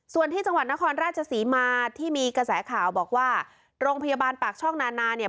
ส่วนที่จังหวัดนครราชศรีมาที่มีกระแสข่าวบอกว่าโรงพยาบาลปากช่องนานาเนี่ย